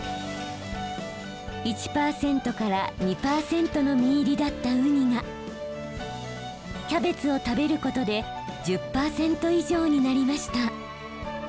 １％から２％の身入りだったウニがキャベツを食べることで１０％以上になりました。